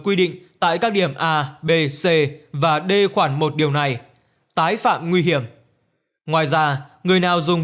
quy định tại các điểm a b c và d khoản một điều này tái phạm nguy hiểm ngoài ra người nào dùng